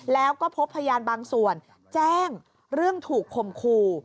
แล้วก็พบพยานบางส่วนแจ้งเรื่องถูกคมคู่